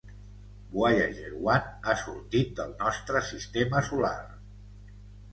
Voyager One ha sortit del nostre sistema solar.